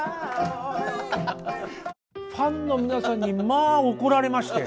ファンの皆さんにまあ怒られまして。